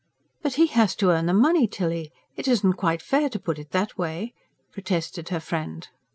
"But he has to earn the money, Tilly. It isn't quite fair to put it that way," protested her friend.